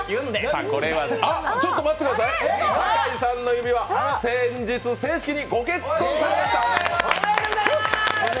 あ、ちょっと待ってください、酒井さんの指には先月正式にご結婚されました。